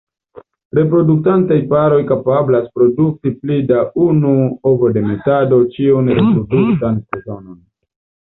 Reproduktantaj paroj kapablas produkti pli da unu ovodemetado ĉiun reproduktan sezonon.